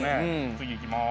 次いきまーす。